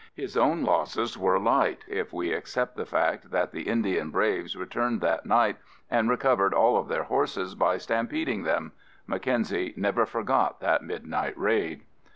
His own losses were light if we except the fact that the Indian braves returned that night and recovered all of their horses by stampeding them. Mackenzie never forgot that midnight raid.